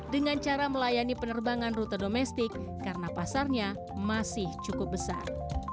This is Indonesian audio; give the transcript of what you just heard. dengan cara melayani penerbangan rute domestik karena pasarnya masih cukup besar